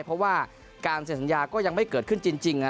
เพราะว่าการเซ็นสัญญาก็ยังไม่เกิดขึ้นจริง